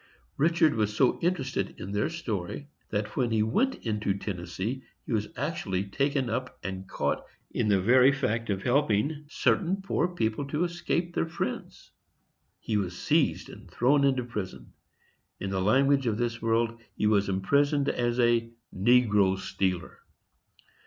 Richard was so interested in their story, that when he went into Tennessee he was actually taken up and caught in the very fact of helping certain poor people to escape to their friends. He was seized and thrown into prison. In the language of this world he was imprisoned as a "negro stealer."